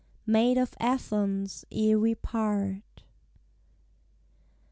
MAID OF ATHENS, ERE WE PART.